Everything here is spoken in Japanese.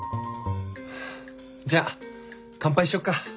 じゃあ乾杯しようか。